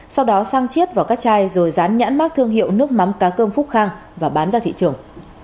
sau đó sang chiết vào các chai rồi dán nhãn mát thương hiệu nước mắm cá cơm phúc khang và bán ra thị trường